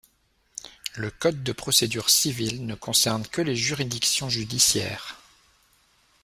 Le code de procédure civile ne concerne que les juridictions judiciaires.